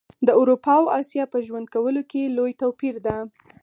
د اروپا او اسیا په ژوند کولو کي لوي توپیر ده